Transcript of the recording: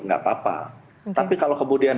nggak apa apa tapi kalau kemudian